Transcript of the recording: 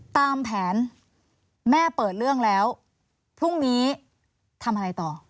ตามแผนแม่เปิดเรื่องแล้วพรุ่งนี้ทำอะไรต่อ